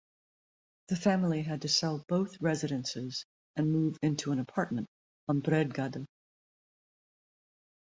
The family had to sell both residences and move into an apartment on Bredgade.